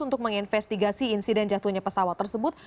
untuk menginvestigasi insiden jatuhnya pesawat tersebut